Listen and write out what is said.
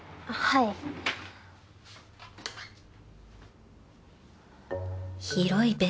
はい。